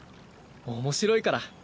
面白いから。